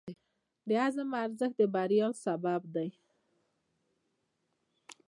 د عزم ارزښت د بریا سبب دی.